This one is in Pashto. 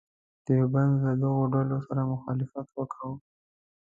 دیوبند له دغو ډلو سره مخالفت وکاوه.